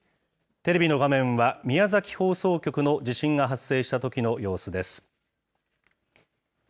テレビの画面は宮崎放送局の地震が発生したときの様子です。